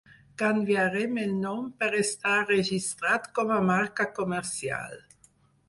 Canviaren el nom per estar registrat com a marca comercial.